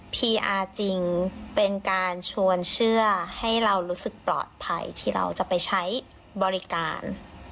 พีอาร์จริงเป็นการชวนเชื่อให้เรารู้สึกปลอดภัยที่เราจะไปใช้บริการ